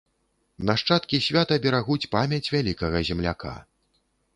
Нашчадкі свята берагуць памяць вялікага земляка.